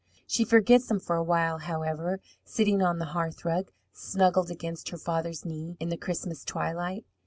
She forgets them for a while, however, sitting on the hearth rug, snuggled against her father's knee in the Christmas twilight.